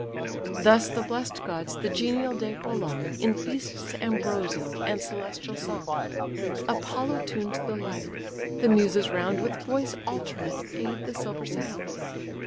Thus the blest gods the genial day prolong, In feasts ambrosial, and celestial song. Apollo tuned the lyre; the Muses round With voice alternate aid the silver sound.